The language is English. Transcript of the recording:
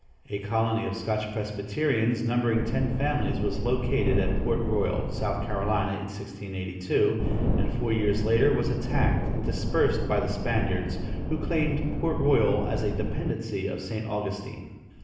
A colony of Scotch Presbyterians, numbering ten families, was located at Port Royal, South Carolinia, in 1682, and four years later was attacked and dispersed by the Spaniards, who claimed Port Royal as a dependency of St. Augustine.